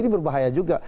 ini berbahaya juga